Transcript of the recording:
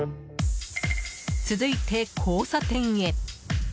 続いて、交差点へ。